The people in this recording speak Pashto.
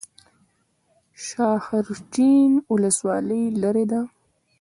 شاحرچین ولسوالۍ لیرې ده؟